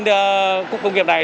trên cục công nghiệp này